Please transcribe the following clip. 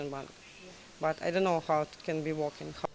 tapi saya tidak tahu bagaimana itu akan berjalan